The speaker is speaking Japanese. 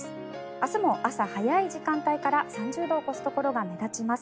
明日も朝早い時間帯から３０度を超すところが目立ちます。